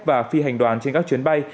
và phi hành đoàn trên các chuyến bay